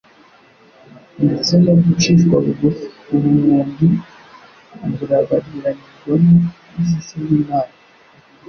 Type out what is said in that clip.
ndetse no gucishwa bugufi : ubumuntu burabagiranirwamo n'ishusho y'Imana